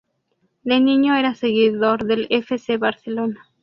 De niño era seguidor del F. C. Barcelona.